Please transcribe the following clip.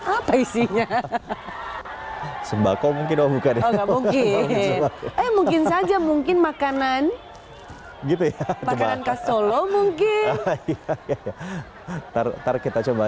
apa isinya sembako mungkin bukan mungkin mungkin saja mungkin makanan gitu ya mungkin kita coba